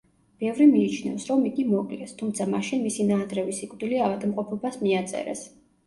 ბევრი მიიჩნევს, რომ იგი მოკლეს, თუმცა მაშინ მისი ნაადრევი სიკვდილი ავადმყოფობას მიაწერეს.